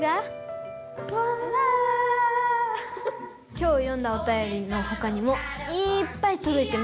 きょう読んだおたよりのほかにもいっぱいとどいてます。